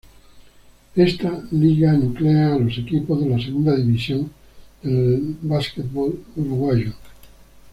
Esta liga nuclea a los equipos de la Segunda División del básquetbol uruguayo.